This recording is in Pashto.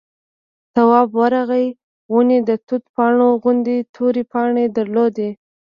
تواب ورغی ونې د توت پاڼو غوندې تورې پاڼې درلودې.